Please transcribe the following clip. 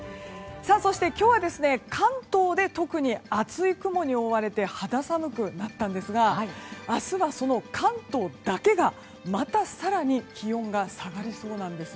そして今日は関東で特に厚い雲に覆われて肌寒くなったんですが明日はその関東だけがまた更に気温が下がりそうなんです。